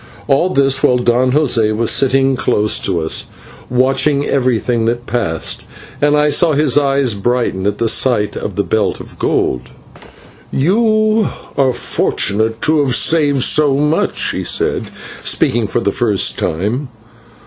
All this while Don José was sitting close to us, watching everything that passed, and I saw his eyes brighten at the sight of the belt of gold. "You are fortunate to have saved so much," he said, speaking for the first time.